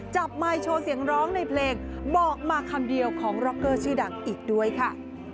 ไมค์โชว์เสียงร้องในเพลงบอกมาคำเดียวของร็อกเกอร์ชื่อดังอีกด้วยค่ะ